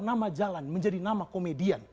nama jalan menjadi nama komedian